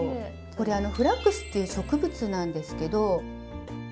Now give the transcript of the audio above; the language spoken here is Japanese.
これ「フラックス」っていう植物なんですけど。